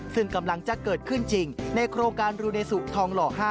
ซึ่งกำลังจะเกิดขึ้นจริงในโครงการรูเนสุทองหล่อ๕